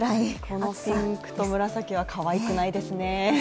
このピンクと紫はかわいくないですね